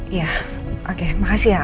iya oke makasih ya